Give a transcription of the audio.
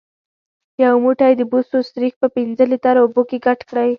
یو موټی د بوسو سريښ په پنځه لیتره اوبو کې ګډ کړئ.